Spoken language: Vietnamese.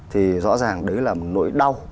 thì rõ ràng đấy là một nỗi đau